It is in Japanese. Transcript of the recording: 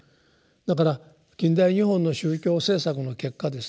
だから近代日本の宗教政策の結果ですね